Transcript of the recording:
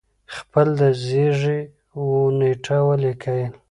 خپل د زیږی و نېټه ولیکل